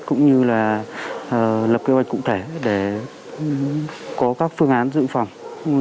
cũng như là lập kế hoạch cụ thể để có các phương án dự phòng